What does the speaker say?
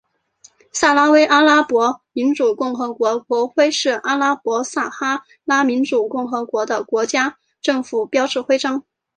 撒拉威阿拉伯民主共和国国徽是阿拉伯撒哈拉民主共和国的国家政府标志徽章。